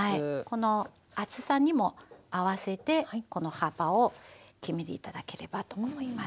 この厚さにも合わせてこの幅を決めて頂ければと思います。